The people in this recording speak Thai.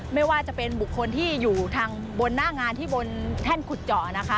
ไม่ว่าจะเป็นบุคคลที่อยู่ทางบนหน้างานที่บนแท่นขุดเจาะนะคะ